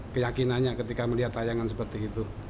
keyakinannya ketika melihat tayangan seperti itu